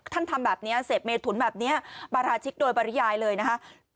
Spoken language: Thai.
ทำแบบนี้เสพเมถุนแบบนี้บาราชิกโดยปริยายเลยนะคะ